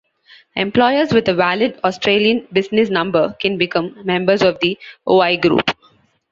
Employers with a valid Australian Business Number can become members of The Oi Group.